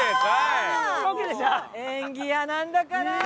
演技派なんだから！